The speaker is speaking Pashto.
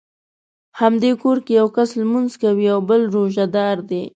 همدې کور کې یو کس لمونځ کوي او بل روژه دار دی.